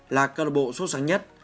là cơ lợi bộ xuất sáng nhất